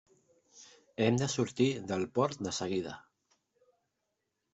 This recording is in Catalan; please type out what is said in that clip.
Hem de sortir del port de seguida.